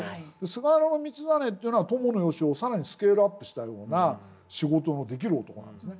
菅原道真っていうのは伴善男を更にスケールアップしたような仕事のできる男なんですね。